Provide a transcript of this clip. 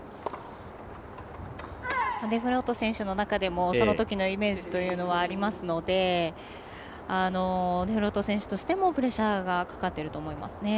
デフロート選手の中でもそのときのイメージというのはありますのでデフロート選手としてもプレッシャーがかかっていると思いますね。